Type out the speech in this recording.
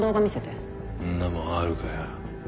んな物あるかよ。